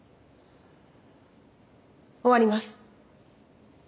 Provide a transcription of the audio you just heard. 終わります。